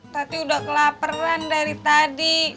tati udah kelaperan dari tadi